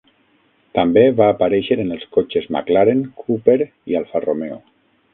També va aparèixer en els cotxes McLaren, Cooper i Alfa Romeo.